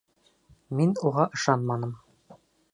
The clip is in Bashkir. Мин уға ышанманым.